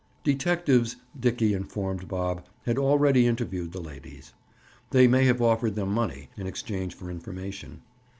Detectives, Dickie informed Bob, had already interviewed the ladies. They may have offered them money in exchange for information.